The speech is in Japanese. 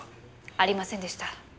ありませんでした。